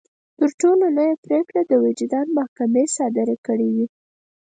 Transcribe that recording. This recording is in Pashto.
تر ټولو لويه پرېکړه د وجدان محکمې صادره کړې وي.